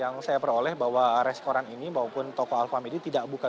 yang saya peroleh bahwa restoran di pancasila berada di tempat padahal escalator tidak ada penyebab